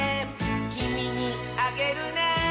「きみにあげるね」